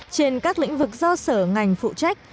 trên các lĩnh vực do sở ngành phụ trách